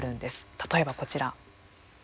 例えばこちら。